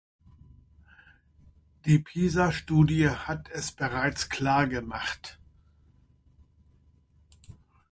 Die Pisa-Studie hat es bereits klar gemacht.